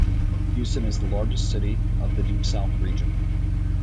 Houston is the largest city of the Deep South region.